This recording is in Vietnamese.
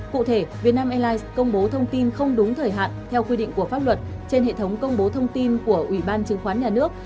cụ thể vietnam airlines công bố thông tin không đúng thời hạn theo quy định của pháp luật trên hệ thống công bố thông tin của ủy ban chứng khoán nhà nước